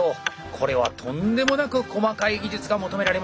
これはとんでもなく細かい技術が求められますよね。